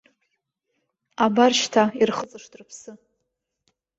Абар шьҭа ирхыҵышт рыԥсы.